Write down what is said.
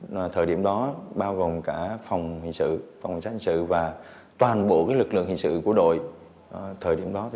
người bê bết máu nằm quằn quài dưới nền đất